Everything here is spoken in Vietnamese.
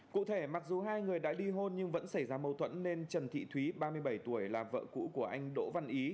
cụ thể mặc dù hai người đã ly hôn nhưng vẫn xảy ra mâu thuẫn nên trần thị thúy ba mươi bảy tuổi là vợ cũ của anh đỗ văn ý